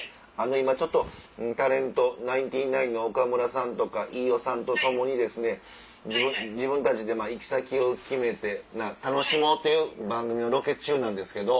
今ちょっとタレントナインティナインの岡村さんとか飯尾さんと共に自分たちで行き先を決めて楽しもうという番組のロケ中なんですけど。